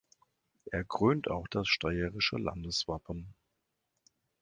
Er krönt auch das steirische Landeswappen.